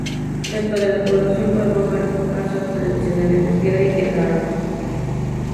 Dentro de la población podemos ver casas tradicionales de piedra y teja árabe.